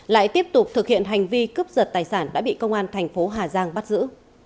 lại tiếp tục thực hiện hành vi cướp giật tài sản đã bị công an thành phố hà giang bắt giữ